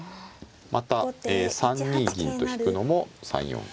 また３二銀と引くのも３四桂。